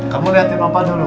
kamu liatin opa dulu